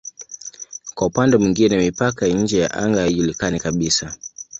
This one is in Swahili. Kwa upande mwingine mipaka ya nje ya anga haijulikani kabisa.